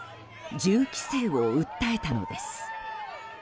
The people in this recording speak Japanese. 銃規制を訴えたのです。